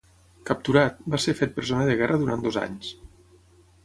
Capturat, va ser fet presoner de guerra durant dos anys.